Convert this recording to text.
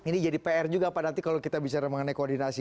ini jadi pr juga pak nanti kalau kita bicara mengenai koordinasi